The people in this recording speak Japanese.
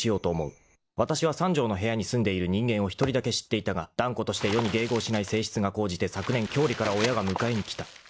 ［わたしは三畳の部屋に住んでいる人間を１人だけ知っていたが断固として世に迎合しない性質が高じて昨年郷里から親が迎えに来た］